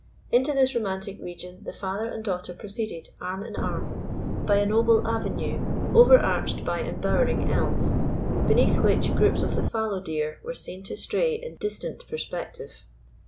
Into this romantic region the father and daughter proceeded, arm in arm, by a noble avenue overarched by embowering elms, beneath which groups of the fallow deer were seen to stray in distant perspective.